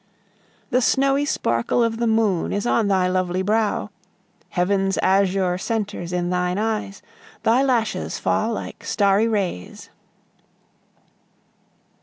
The snowy sparkle of the moon is on thy lovely brow, Heaven's azure centres in thine eyes, Thy lashes fall like starry rays.